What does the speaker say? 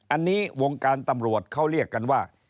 อันนี้วงการตำรวจเขาเรียกกันว่า